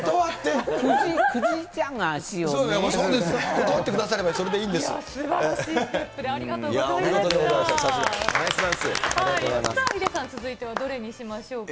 さあ、ヒデさん、続いてはどれにしましょうか。